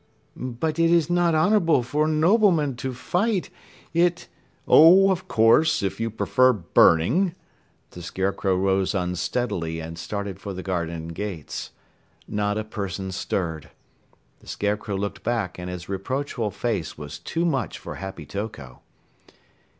"But it is not honorable for noblemen to fight. It " "Oh, of course, if you prefer burning " The Scarecrow rose unsteadily and started for the garden gates. Not a person stirred. The Scarecrow looked back, and his reproachful face was too much for Happy Toko.